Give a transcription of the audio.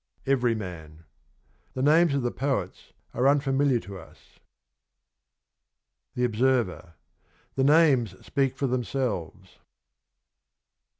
EVERYMAN. The names of the poets are unfamiliar to us. THE OBSERVER. The names speak for themselves.